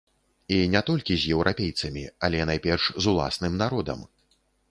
І не толькі з еўрапейцамі, але найперш з уласным народам.